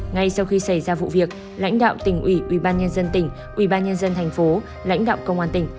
ngay sau khi xảy ra vụ việc lãnh đạo tỉnh ủy ubnd tỉnh ubnd tp lãnh đạo công an tỉnh